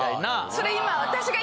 それ今。